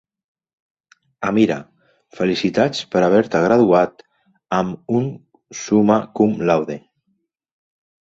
"Amira, felicitats per haver-te graduat am un summa cum laude".